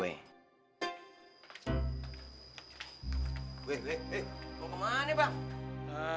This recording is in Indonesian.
wewe mau kemana bang